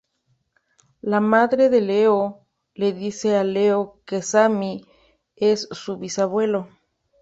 La madre de Leo le dice a Leo que Sammy es su bisabuelo.